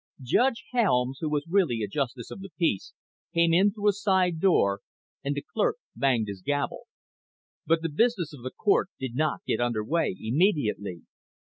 Judge Helms, who was really a justice of the peace, came in through a side door and the clerk banged his gavel. But the business of the court did not get under way immediately.